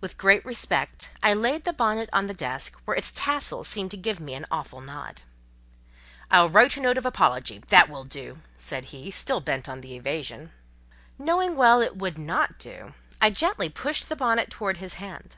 With great respect, I laid the bonnet on the desk, where its tassel seemed to give me an awful nod. "I'll write a note of apology—that will do!" said he, still bent on evasion. Knowing well it would not do, I gently pushed the bonnet towards his hand.